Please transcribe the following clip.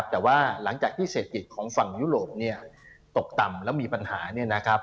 แต่ว่าหลังจากที่เศรษฐกิจของฝั่งยุโรปตกต่ำแล้วมีปัญหา